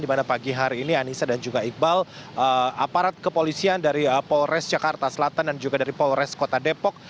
di mana pagi hari ini anissa dan juga iqbal aparat kepolisian dari polres jakarta selatan dan juga dari polres kota depok